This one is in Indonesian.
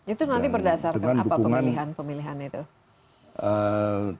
itu nanti berdasarkan apa pemilihan pemilihan itu